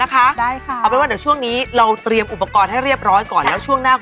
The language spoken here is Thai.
ล้านสี่ล้านห้าล้านหก